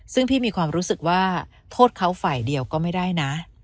ซึ่งพี่มีความรู้สึกว่าโทษเขาฝ่ายเดียวก็ไม่ได้นะ